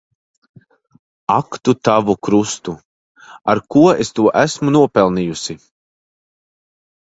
Ak tu tavu krustu! Ar ko es to esmu nopelnījusi.